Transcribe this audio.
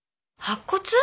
白骨？